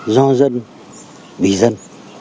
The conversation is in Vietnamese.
do dân vì dân